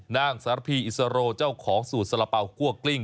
นางสารพีอิสโรเจ้าของสูตรสละเป๋าคั่วกลิ้ง